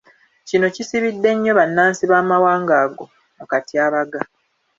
Kino kisibidde nnyo bannansi b’amawanga ago mu katyabaga.